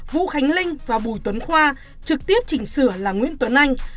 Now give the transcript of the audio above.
vũ khánh linh và bùi tuấn khoa trực tiếp chỉnh sửa là nguyễn tuấn anh